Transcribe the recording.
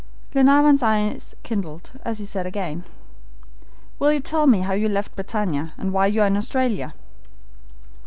Glenarvan's eyes kindled, as he said again: "Will you tell me how you left the BRITANNIA, and why you are in Australia?"